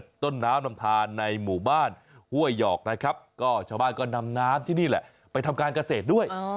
ดูสิเห็นกางเกงในสีฟ้าด้วย